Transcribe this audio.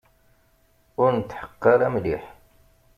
Ur netḥeqqeq ara mliḥ.